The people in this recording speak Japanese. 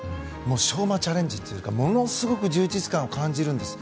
昌磨チャレンジというかものすごく充実感を感じるんです。